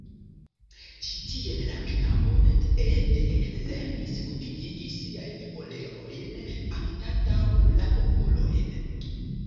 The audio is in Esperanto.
Ĉi tiel la knabo et-ete lernis utiligi siajn orelojn anstataŭ la okulojn.